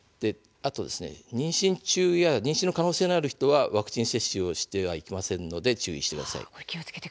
妊娠中や妊娠の可能性のある人はワクチン接種をしてはいけませんので注意してください。